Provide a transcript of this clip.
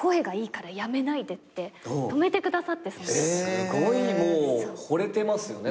すごいもうほれてますよね。